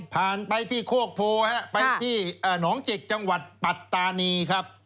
ผ่านไปที่ควกภูครับไปที่หนองจิกจังหวัดปัตตานีครับ